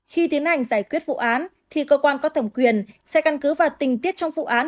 khi tiến hành giải quyết vụ án thì cơ quan có thẩm quyền sẽ căn cứ vào tình tiết trong vụ án